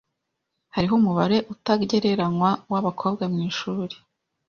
Hariho umubare utagereranywa wabakobwa mwishuri.